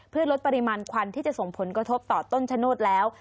เพื่อลดปริมาณควันที่จะส่งผลกระทบต่อต้นชะโนธแล้ว